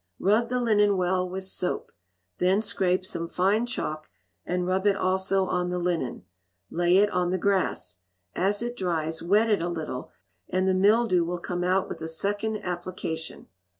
Rub the linen well with, soap; then scrape some fine chalk, and rub it also on the linen. Lay it on the grass. As it dries, wet it a little, and the mildew will come out with a second application.